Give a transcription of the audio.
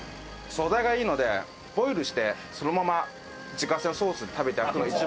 素材がいいのでボイルしてそのまま自家製のソースで食べて頂くのが一番。